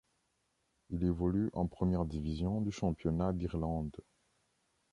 Il évolue en Première division du championnat d’Irlande.